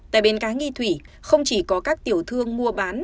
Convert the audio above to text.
tại bến cá nghi thủy không chỉ có các tiểu thương mua bán